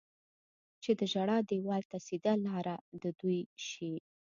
چې د ژړا دېوال ته سیده لاره د دوی شي.